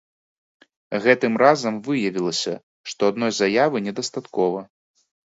Гэтым разам выявілася, што адной заявы недастаткова.